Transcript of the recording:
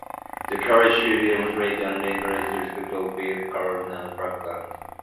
The college should demonstrate and encourage respect of belief, colour and background.